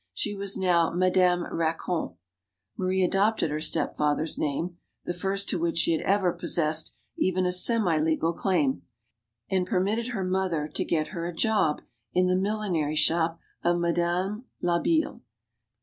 She was now "Madame Racon." Marie adopted her stepfather's name the first to which she had ever possessed even a semilegal claim and permitted her mother to get her a job in the mil MADAME DU BARRY 179 linery shop of Madame Labille.